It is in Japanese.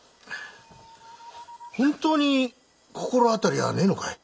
本当に心当たりはねえのかい？